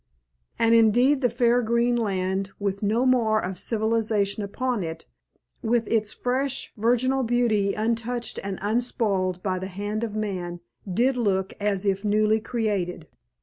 And indeed the fair green land, with no mar of civilization upon it, with its fresh virginal beauty untouched and unspoiled by the hand of man, did look as if newly created.